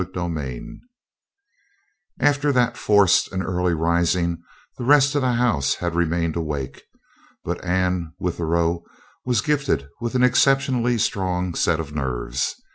CHAPTER 10 After that forced and early rising, the rest of the house had remained awake, but Anne Withero was gifted with an exceptionally strong set of nerves.